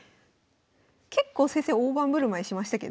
結構先生大盤振る舞いしましたけど。